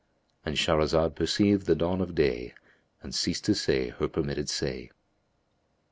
"—And Shahrazad perceived the dawn of day and ceased to say her permitted say.